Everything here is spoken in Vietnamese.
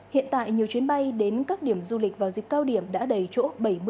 hiện tại nhiều chuyến bay đến các điểm du lịch vào dịp cao điểm đã đầy chỗ bảy mươi